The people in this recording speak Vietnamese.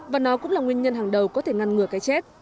và nó cũng là nguyên nhân hàng đầu có thể ngăn ngừa cái chết